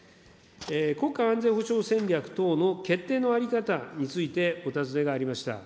国家安全保障戦略等の決定の在り方についてお尋ねがありました。